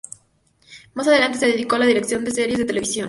Más adelante se dedicó a la dirección de series de televisión.